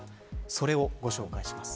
それをご紹介します。